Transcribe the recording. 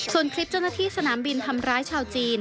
ส่วนคลิปเจ้าหน้าที่สนามบินทำร้ายชาวจีน